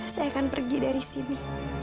saya akan pergi dari sini